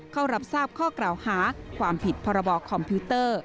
เข้ารับทราบข้อกล่าวหาความผิดพรบคอมพิวเตอร์